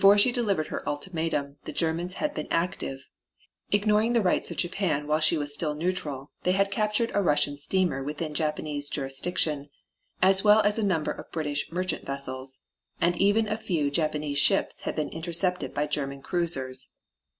Before she delivered her ultimatum the Germans had been active; ignoring the rights of Japan while she was still neutral they had captured a Russian steamer within Japanese jurisdiction, as well as a number of British merchant vessels, and even a few Japanese ships had been intercepted by German cruisers.